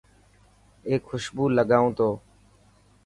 اي خوشبو لگائون تو.